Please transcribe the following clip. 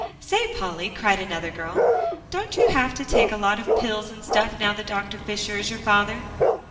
"Say, Polly," cried another girl, "don't you have to take a lot of pills and stuff, now that Dr. Fisher is your father?"